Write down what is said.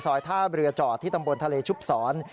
ภายในซอยท่าเรือจอดที่ตำบลทะเลชุบสอน